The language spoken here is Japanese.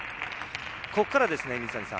ここからですね、水谷さん。